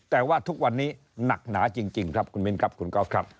แต่ว่าทุกวันนี้หนักหนาจริงครับคุณมินครับคุณกอล์ฟครับ